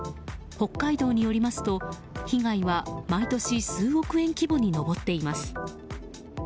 北海道によりますと被害は毎年、数億円規模に上っています。